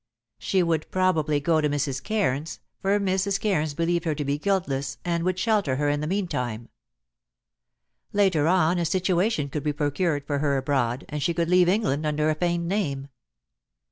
She would probably go to Mrs. Cairns, for Mrs. Cairns believed her to be guiltless, and would shelter her in the meantime. Later on a situation could be procured for her abroad, and she could leave England under a feigned name.